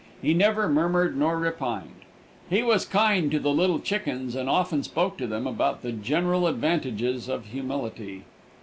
He never murmured nor repined. He was kind to the little chickens and often spoke to them about the general advantages of humility.